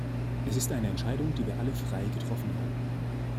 Es ist eine Entscheidung, die wir alle frei getroffen haben.